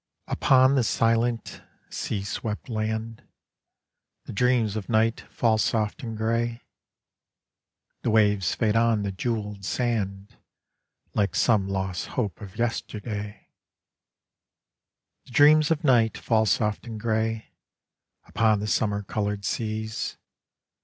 Upon the eilent sea swept land The dreams of night fall soft and gray, The waves fade on the jeweled sand Like some lost hope of yesterday* The dreams of night fall soft and gray Upon the summer colored seas.